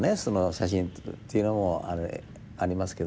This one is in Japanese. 写真撮るっていうのもありますけども。